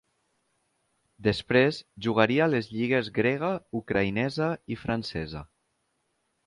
Després jugaria a les lligues grega, ucraïnesa i francesa.